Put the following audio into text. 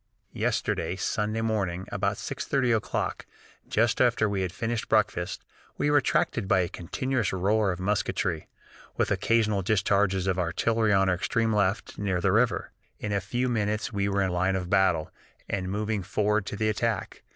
"Yesterday (Sunday) morning, about 6.30 o'clock, just after we had finished breakfast, we were attracted by a continuous roar of musketry, with occasional discharges of artillery on our extreme left, near the river. In a few minutes we were in line of battle, and moving forward to the attack.